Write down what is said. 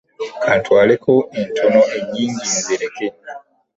Ka ntwaleko entono ennyingi nzireke.